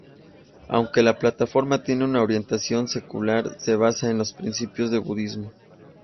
Aunque la plataforma tiene una orientación secular, se basa en los principios del budismo.